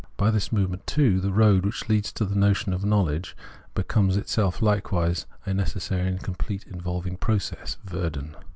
By this movement, too, the road, which leads to the notion of knowledge, becomes itself hkewise a necessary and complete evolving process (Werden).